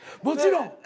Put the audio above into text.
もちろん。